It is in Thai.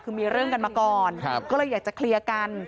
คือมีเรื่องกันมาก่อนก็เลยอยากจะเคลียร์กัน